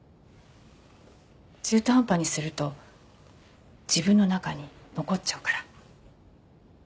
中途半端にすると自分の中に残っちゃうから。